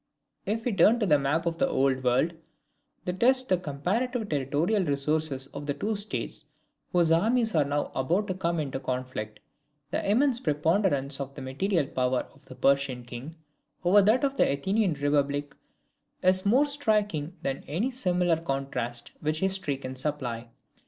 If we turn to the map of the old world, to test the comparative territorial resources of the two states whose armies were now about to come into conflict, the immense preponderance of the material power of the Persian king over that of the Athenian republic is more striking than any similar contrast which history can supply.